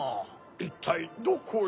いったいどこへ。